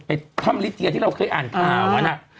ไปทำฤทธิ์เซียพี่เราเคยอ่านค่ะ